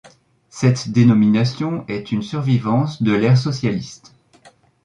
Cette dénomination est une survivance de l'ère socialiste.